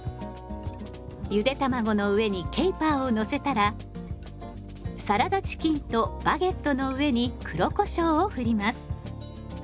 ゆで卵の上にケイパーをのせたらサラダチキンとバゲットの上に黒こしょうをふります。